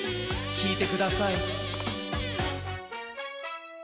きいてください。